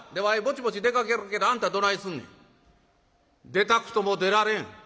「出たくとも出られん」。